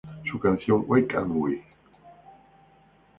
Su canción, "Why Can't We?